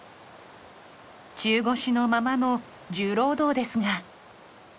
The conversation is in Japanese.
中腰のままの重労働ですが。